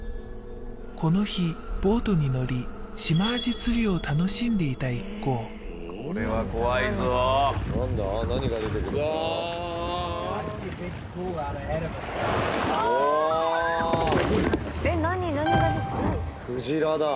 この日ボートに乗りシマアジ釣りを楽しんでいた一行これは怖いぞえっ何何クジラだ